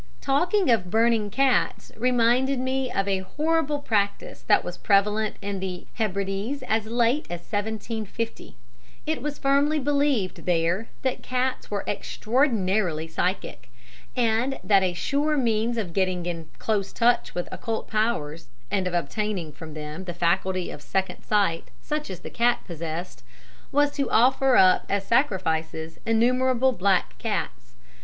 "Talking of burning cats reminds me of a horrible practice that was prevalent in the Hebrides as late as 1750. It was firmly believed there that cats were extraordinarily psychic, and that a sure means of getting in close touch with occult powers, and of obtaining from them the faculty of second sight such as the cat possessed was to offer up as sacrifices innumerable black cats.